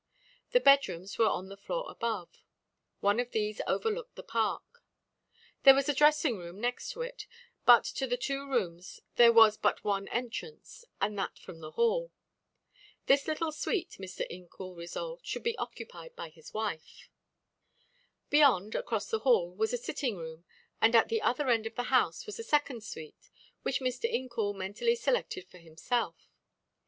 The bed rooms were on the floor above. One of these overlooked the park. There was a dressing room next to it, but to the two rooms there was but one entrance, and that from the hall. This little suite, Mr. Incoul resolved, should be occupied by his wife. Beyond, across the hall, was a sitting room, and at the other end of the house was a second suite, which Mr. Incoul mentally selected for himself.